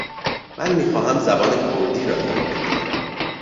من می خواهم زبان کردی را یاد بگیرم.